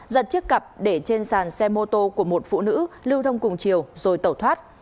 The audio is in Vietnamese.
giật chiếc cặp để trên sàn xe mô tô của một phụ nữ lưu thông cùng chiều rồi tẩu thoát